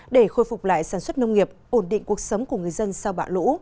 để khôi phục lại sản xuất nông nghiệp ổn định cuộc sống của người dân sau bão lũ